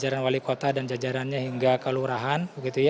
jajaran wali kota dan jajarannya hingga ke lurahan